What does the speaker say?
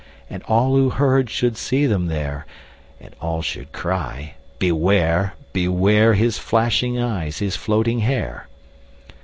And all who heard should see them there, And all should cry, Beware! Beware! His flashing eyes, his floating hair!